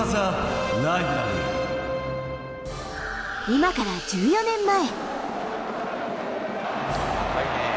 今から１４年前。